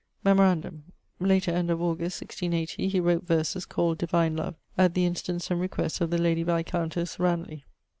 Memorandum: later end of Aug. 1680, he wrote verses, called 'Divine Love,' at the instance and request of the lady viscountesse Ranulagh.